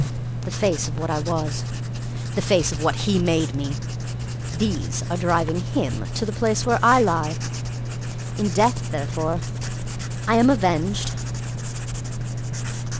The face of what I was, the face of what he made me! These are driving him to the place where I lie. In death, therefore, I am avenged.